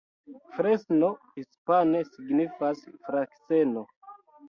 Fresno hispane signifas: frakseno.